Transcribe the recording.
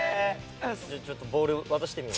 じゃあちょっとボール渡してみよ。